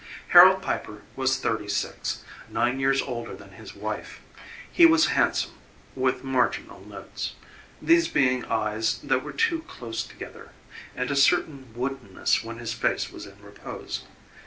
Harold Piper was thirty six, nine years older than his wife. He was handsome with marginal notes: these being eyes that were too close together, and a certain woodenness when his face was in repose.